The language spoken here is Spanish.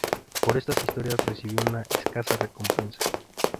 Por estas historias recibió una escasa recompensa.